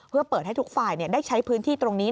เพื่อเปิดให้ทุกฝ่ายได้ใช้พื้นที่ตรงนี้